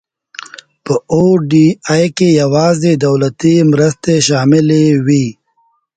په او ډي آی کې یوازې دولتي مرستې شاملې وي.